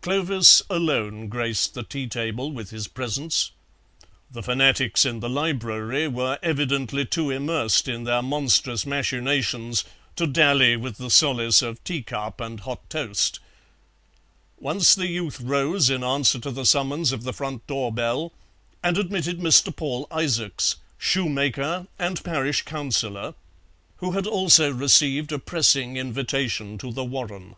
Clovis alone graced the tea table with his presence; the fanatics in the library were evidently too immersed in their monstrous machinations to dally with the solace of teacup and hot toast. Once the youth rose, in answer to the summons of the front door bell, and admitted Mr. Paul Isaacs, shoemaker and parish councillor, who had also received a pressing invitation to The Warren.